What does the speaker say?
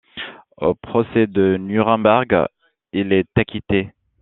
Au procès de Nuremberg, il est acquitté.